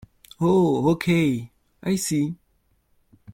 Oh okay, I see.